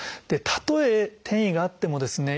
たとえ転移があってもですね